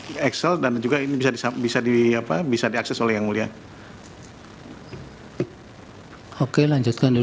ini excel dan juga ini bisa diakses oleh yang mulia